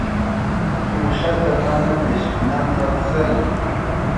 Uushata mana qishpinanpaq chariy.